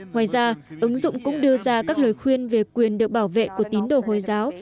ngoài ra ứng dụng cũng đưa ra các lời khuyên về quyền được bảo vệ của tín đồ hồi giáo